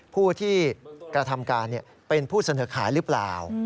ผู้ที่กระทำการเป็นผู้เสนอขายหรือเปล่า